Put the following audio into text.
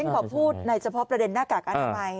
ยังขอพูดในเฉพาะประเด็นนาฬักษณ์อนามัย